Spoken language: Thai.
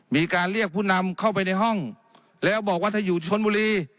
มีการเรียกผู้นำเข้าไปในห้องแล้วบอกว่าถ้าอยู่ชนบุรี